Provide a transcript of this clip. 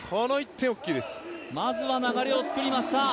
まずは流れを作りました。